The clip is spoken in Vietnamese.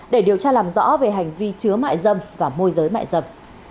để điều tra làm rõ về hành vi chứa mại dâm và môi giới mại dâm